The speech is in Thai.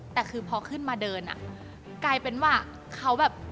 แต่คือพอขึ้นมาเดินอ่ะกลายเป็นว่าเขาแบบ